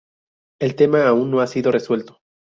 El tema aún no ha sido resuelto.